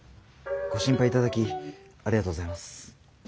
ご心配頂きありがとうございます。